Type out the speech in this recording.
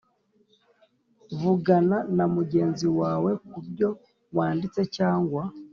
Vugana na mugenzi wawe ku byo wanditse cyangwa